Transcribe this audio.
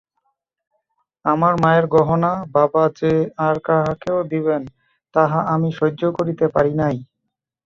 আমার মায়ের গহনা বাবা যে আর কাহাকেও দিবেন তাহা আমি সহ্য করিতে পারি নাই।